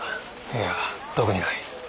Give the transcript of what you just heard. いや特にない。